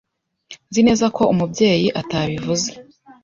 Nzi neza ko Umubyeyi atabivuze.